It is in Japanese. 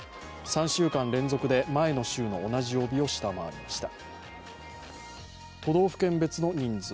３週間連続で前の週の同じ曜日を下回りました。